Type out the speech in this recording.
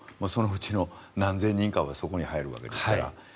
そこの何千人かはここに入るわけですから。